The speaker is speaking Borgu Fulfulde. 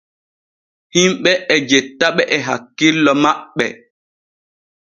Himɓe e jettaɓe e hakkillo maɓɓe.